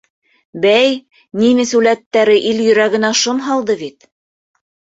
— Бәй, нимес үләттәре ил йөрәгенә шом һалды бит.